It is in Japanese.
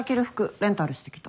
レンタルしてきた。